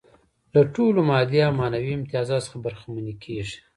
له ټولو مادي او معنوي امتیازاتو څخه برخمنې کيږي.